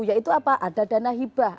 yaitu apa ada dana hibah